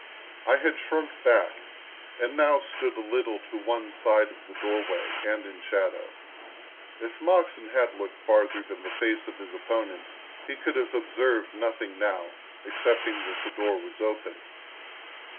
I had shrunk back and now stood a little to one side of the doorway and in shadow. If Moxon had looked farther than the face of his opponent he could have observed nothing now, except that the door was open.